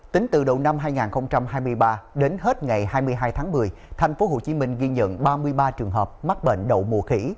tính từ đầu năm hai nghìn hai mươi ba đến hết ngày hai mươi hai tháng một mươi thành phố hồ chí minh ghi nhận ba mươi ba trường hợp mắc bệnh đậu mùa khỉ